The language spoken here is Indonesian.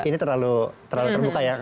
ini terlalu terbuka ya